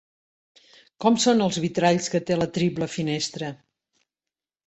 Com són els vitralls que té la triple finestra?